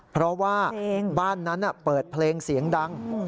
เพราะว่าบ้านนั้นเปิดเพลงเสียงดัง